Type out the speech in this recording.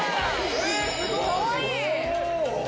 かわいい。